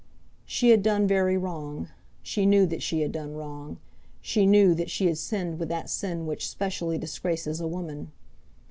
She had done very wrong. She knew that she had done wrong. She knew that she had sinned with that sin which specially disgraces a woman.